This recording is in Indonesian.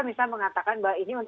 misalnya mengatakan bahwa ini